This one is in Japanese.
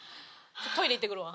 トイレ行ってくるわ。